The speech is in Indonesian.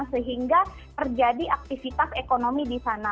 sehingga terjadi aktivitas ekonomi di sana